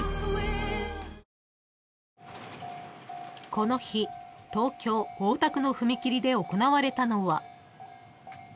［この日東京大田区の踏切で行われたのは］